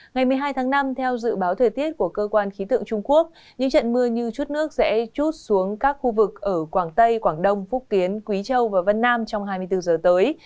ngày một mươi hai tháng năm theo dự báo thời tiết của cơ quan khí tượng trung quốc những trận mưa như chút nước sẽ chút xuống các khu vực ở quảng tây quảng đông phúc kiến quý châu và vân nam trong hai mươi bốn giờ tới